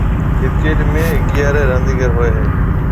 ڪرڪيٽ ۾ اگھيَََاريَ رانديڪر هوئي هيَ۔